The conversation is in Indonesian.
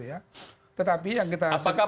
apakah percabulan sama dengan permohonan